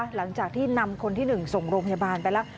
หลังจากที่นำคนที่๑ส่งโรงพยาบาลไปแล้ว